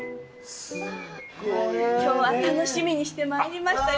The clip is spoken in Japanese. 今日は楽しみにしてまいりました。